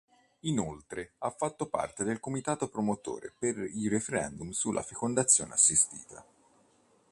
Inoltre ha fatto parte del comitato promotore per i referendum sulla fecondazione assistita.